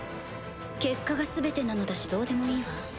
結果が全てなのだしどうでもいいわ。